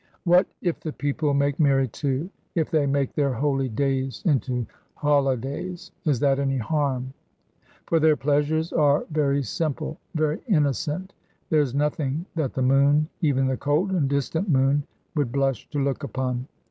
What if the people make merry, too, if they make their holy days into holidays, is that any harm? For their pleasures are very simple, very innocent; there is nothing that the moon, even the cold and distant moon, would blush to look upon.